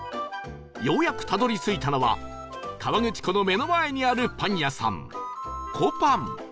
ようやくたどり着いたのは河口湖の目の前にあるパン屋さん